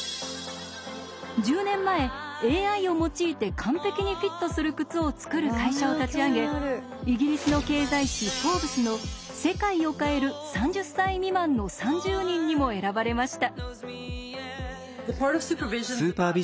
１０年前ＡＩを用いて完璧にフィットする靴を作る会社を立ち上げイギリスの経済誌「Ｆｏｒｂｅｓ」の「世界を変える３０歳未満の３０人」にも選ばれました。